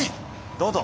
どうぞ。